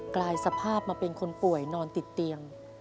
กลายสภาพมาเป็นคนป่วยนอนติดเตียง